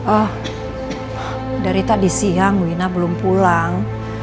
oh dari tadi siang wina belum pulang